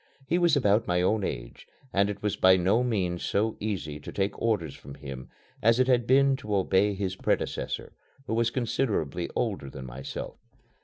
He was about my own age and it was by no means so easy to take orders from him as it had been to obey his predecessor, who was considerably older than myself.